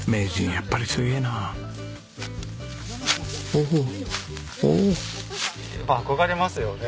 やっぱり憧れますよね。